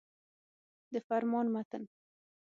د فرمان متن.